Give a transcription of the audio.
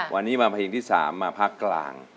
วันนี้มาภาคกลาง